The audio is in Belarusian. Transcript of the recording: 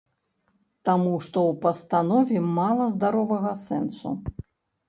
Таму што ў пастанове мала здаровага сэнсу.